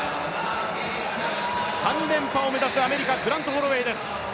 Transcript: ３連覇を目指すアメリカグラント・ホロウェイです。